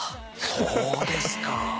そうですか！